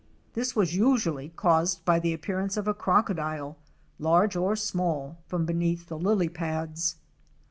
This was usually caused by the appearance of a crocodile, large or small, from beneath the lily pads.